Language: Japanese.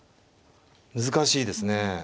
難しいですね。